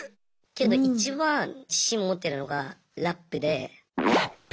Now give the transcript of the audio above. けどいちばん自信持ってるのがラップで。